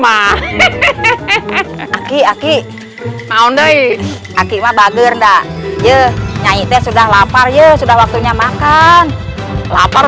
aku aku mau nge rap akibat bager ndak yuk nyanyi teh sudah lapar ya sudah waktunya makan lapar